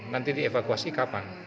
nanti dievakuasi kapan